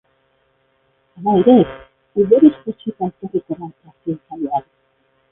Hala ere, umorez josita etorriko da azken saio hau.